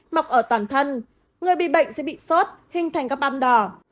mọc ở toàn thân người bị bệnh sẽ bị sốt hình thành các ban đỏ